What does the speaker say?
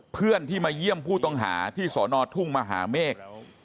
เพื่อนที่มาเยี่ยมผู้ต้องหาที่สอนอทุ่งมหาเมฆ